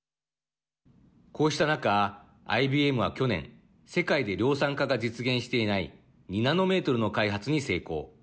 こうした中、ＩＢＭは去年世界で量産化が実現していない２ナノメートルの開発に成功。